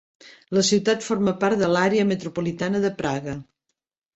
La ciutat forma part de l'àrea metropolitana de Praga.